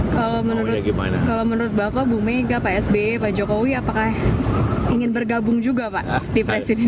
kalau menurut bapak bu mega pak sby pak jokowi apakah ingin bergabung juga pak di presiden